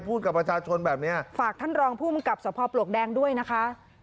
พูดกับประชาชนแบบเนี้ยฝากท่านรองผู้บังกับสภาพปลวกแดงด้วยนะคะ